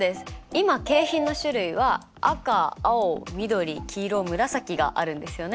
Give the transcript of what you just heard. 今景品の種類は赤青緑黄色紫があるんですよね。